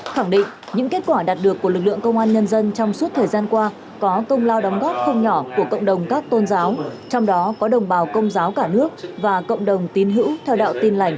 khẳng định những kết quả đạt được của lực lượng công an nhân dân trong suốt thời gian qua có công lao đóng góp không nhỏ của cộng đồng các tôn giáo trong đó có đồng bào công giáo cả nước và cộng đồng tín hữu theo đạo tin lành